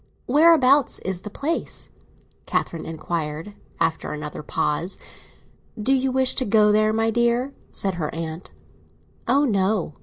"Whereabouts is the place?" Catherine inquired, after another pause. "Do you wish to go there, my dear?" said her aunt. "Oh no!"